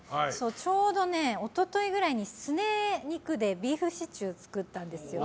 ちょうど一昨日ぐらいにすね肉でビーフシチュー作ったんですよ。